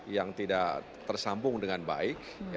yang tidak tersambung dengan baik